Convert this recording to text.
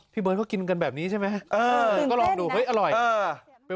พี่เบิร์ดก็กินกันแบบนี้ใช่ไหมเออก็ลองดูเออเฮ้ยอร่อยเออ